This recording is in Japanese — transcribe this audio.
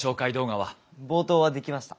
冒頭は出来ました。